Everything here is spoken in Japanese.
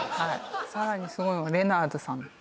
さらにすごいのがレナーズさん